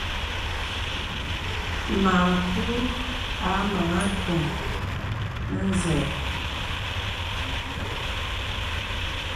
Makù a maŋā àtuŋ nə zɛ̂.